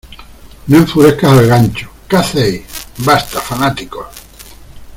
No enfurezcas al gancho. ¿ Qué hacéis? ¡ Basta, fanáticos!